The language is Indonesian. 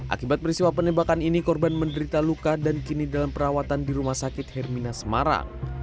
akibat peristiwa penembakan ini korban menderita luka dan kini dalam perawatan di rumah sakit hermina semarang